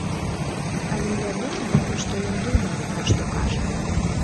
Але я думаю, што ён думае, пра што кажа.